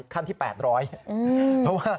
ขั้นที่๘๐๐เพราะว่า